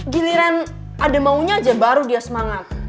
giliran ada maunya aja baru dia semangat